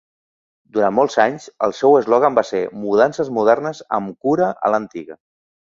Durant molts anys, el seu eslògan va ser "Mudances modernes amb cura a l'antiga".